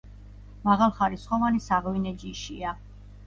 მაღალხარისხოვანი საღვინე ჯიშია.